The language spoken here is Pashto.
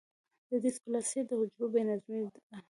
د ډیسپلاسیا د حجرو بې نظمي ده.